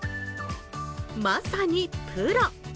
まさにプロ！